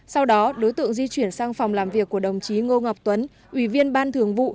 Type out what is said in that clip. sau đó đối tượng di chuyển sang phòng làm việc của đồng chí ngô ngọc tuấn ủy viên ban thường vụ